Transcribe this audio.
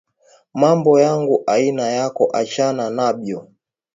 Mambo yangu aina yako achana nabyo